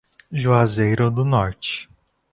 Juazeiro do Norte